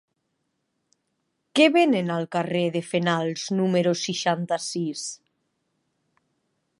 Què venen al carrer de Fenals número seixanta-sis?